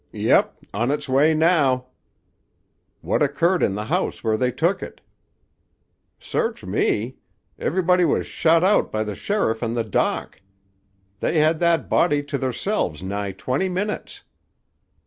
"Yep. On its way now." "What occurred in the house where they took it?" "Search me! Everybody was shut out by the sheriff and the doc. They had that body to theirselves nigh twenty minutes."